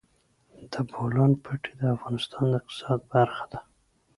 د بولان پټي د افغانستان د اقتصاد برخه ده.